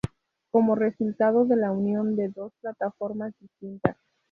Como resultado de la unión de dos plataformas distintas.